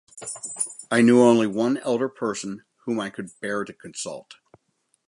I knew only one elder person whom I could bear to consult.